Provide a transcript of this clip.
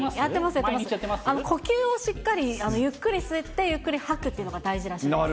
呼吸をしっかり、ゆっくり吸って、ゆっくり吐くというのが大事らしいんです。